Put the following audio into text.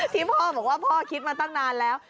ที่พ่อบอกว่าพ่อคิดมาตั้งนานแล้ว